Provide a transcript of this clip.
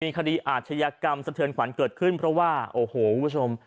คดีอาชญากรรมสะเทือนขวัญเกิดขึ้นเพราะว่าโอ้โหคุณผู้ชม